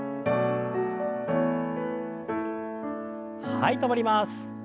はい止まります。